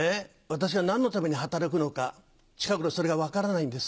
私は何のために働くのか近頃それが分からないんです。